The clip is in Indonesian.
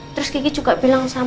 terus kiki juga bilang sama mas al